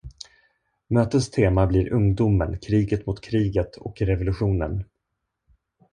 Mötets tema blir Ungdomen, kriget mot kriget och revolutionen.